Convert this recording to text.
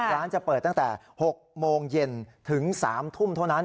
จะเปิดตั้งแต่๖โมงเย็นถึง๓ทุ่มเท่านั้น